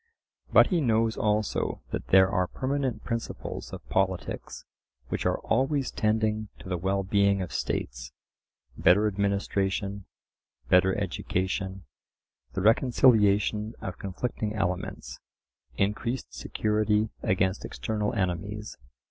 But he knows also that there are permanent principles of politics which are always tending to the well being of states—better administration, better education, the reconciliation of conflicting elements, increased security against external enemies.